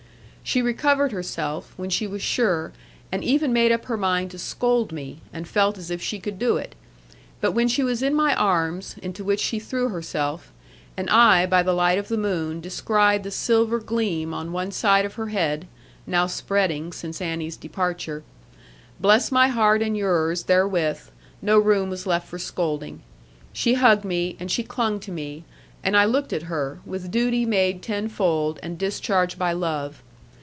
She recovered herself, when she was sure, and even made up her mind to scold me, and felt as if she could do it. But when she was in my arms, into which she threw herself, and I by the light of the moon descried the silver gleam on one side of her head (now spreading since Annie's departure), bless my heart and yours therewith, no room was left for scolding. She hugged me, and she clung to me; and I looked at her, with duty made tenfold, and discharged by love.